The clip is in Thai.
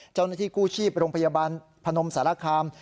เจ้าหน้าที่กู้ชีพโรงพยาบาลพนมสารคาม